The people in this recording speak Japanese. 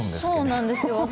そうなんですよ。